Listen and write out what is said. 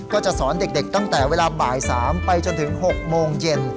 ก็จะสอนเด็กตั้งแต่เวลาบ่าย๓ไปจนถึง๖โมงเย็น